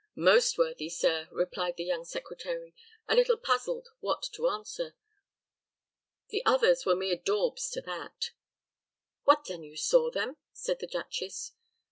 "Most worthy, sir," replied the young secretary, a little puzzled what to answer. "The others were mere daubs to that." "What, then, you saw them?" said the duchess.